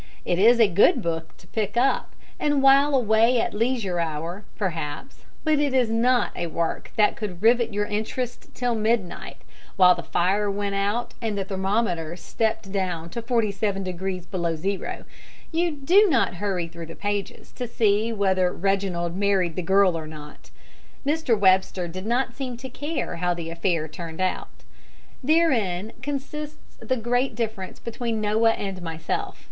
It is a good book to pick up and while away a leisure hour, perhaps, but it is not a work that could rivet your interest till midnight, while the fire went out and the thermometer stepped down to 47° below zero. You do not hurry through the pages to see whether Reginald married the girl or not. Mr. Webster did not seem to care how the affair turned out. Therein consists the great difference between Noah and myself.